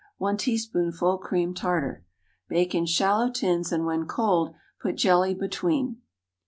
1 teaspoonful cream tartar. Bake in shallow tins, and when cold put jelly between.